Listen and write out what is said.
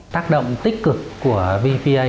tác động tích cực của vpa